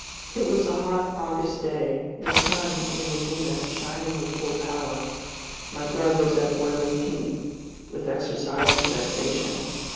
It was a hot August day; the sun, in the zenith, shining with full power. My blood was at boiling heat with exercise and vexation.